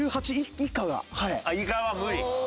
以下は無理？